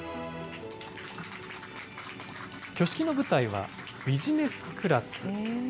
挙式の舞台はビジネスクラス。